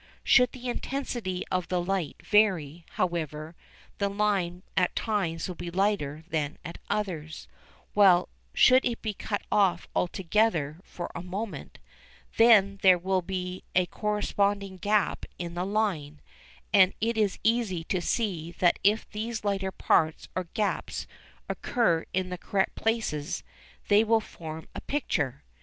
Should the intensity of the light vary, however, the line will at times be lighter than at others, while, should it be cut off altogether for a moment, then there will be a corresponding gap in the line, and it is easy to see that if these lighter parts or gaps occur in the correct places they will form a picture.